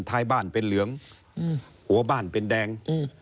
ท้ายบ้านเป็นเหลืองหัวบ้านเป็นแดง